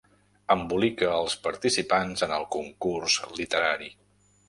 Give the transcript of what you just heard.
Embolica els participants en el concurs literari.